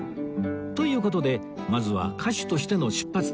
という事でまずは歌手としての出発点